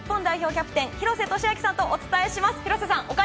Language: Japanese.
キャプテン廣瀬俊朗さんとお伝えします。